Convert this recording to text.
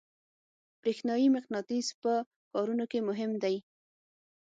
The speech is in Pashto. برېښنایي مقناطیس په کارونو کې مهم دی.